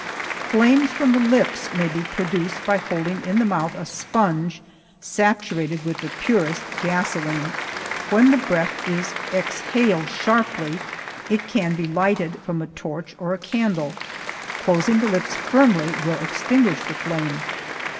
Flames from the lips may be produced by holding in the mouth a sponge saturated with the purest gasoline. When the breath is exhaled sharply it can be lighted from a torch or a candle. Closing the lips firmly will extinguish the flame.